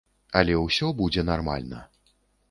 Але ўсё будзе нармальна.